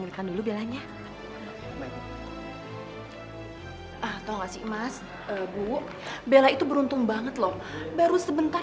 berikan dulu belanya sih mas bu bella itu beruntung banget loh baru sebentar